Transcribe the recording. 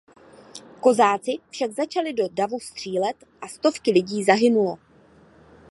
Kozáci však začali do davu střílet a stovky lidí zahynulo.